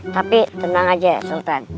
tapi tenang aja sultan